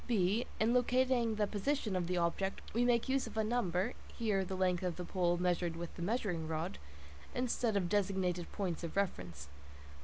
(b) In locating the position of the object, we make use of a number (here the length of the pole measured with the measuring rod) instead of designated points of reference.